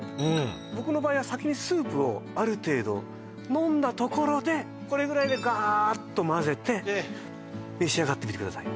僕の場合は先にスープをある程度飲んだところでこれぐらいでガーッと混ぜて召し上がってみてください